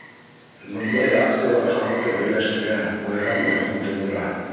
— Бындай акциялар халыҡты берләштерә, байрам рухын тыуҙыра.